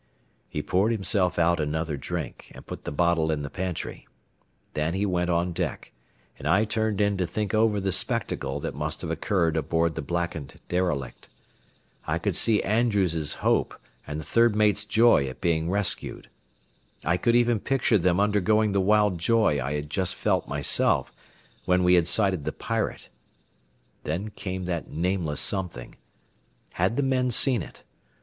He poured himself out another drink, and put the bottle in the pantry. Then he went on deck, and I turned in to think over the spectacle that must have occurred aboard the blackened derelict. I could see Andrews's hope and the third mate's joy at being rescued. I could even picture them undergoing the wild joy I had just felt myself, when we had sighted the Pirate. Then came that nameless something. Had the men seen it?